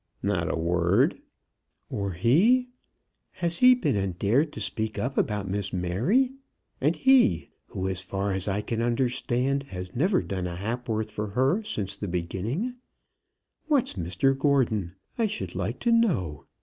"Not a word." "Or he? Has he been and dared to speak up about Miss Mary. And he, who, as far as I can understand, has never done a ha'porth for her since the beginning. What's Mr Gordon? I should like to know.